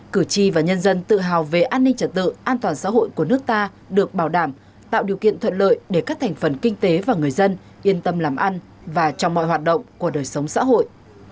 cử tri và nhân dân tự hào về an ninh trật tự an toàn xã hội của nước ta được bảo đảm tạo điều kiện thuận lợi để các thành phần kinh tế và người dân yên tâm làm ăn và trong mọi hoạt động của đời sống xã hội